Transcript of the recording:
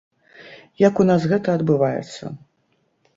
Як у нас гэта адбываецца.